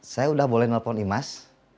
saya udah boleh nelpon imas